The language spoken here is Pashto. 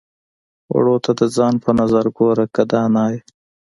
واړو ته د ځان په نظر ګوره که دانا يې.